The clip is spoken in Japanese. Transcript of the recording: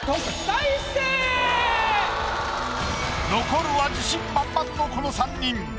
残るは自信満々のこの三人。